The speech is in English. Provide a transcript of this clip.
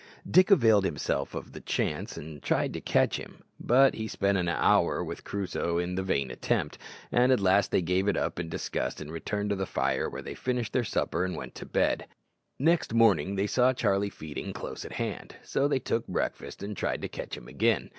Dick availed himself of the chance, and tried to catch him; but he spent an hour with Crusoe in the vain attempt, and at last they gave it up in disgust and returned to the fire, where they finished their supper and went to bed. Next morning they saw Charlie feeding close at hand, so they took breakfast, and tried to catch him again.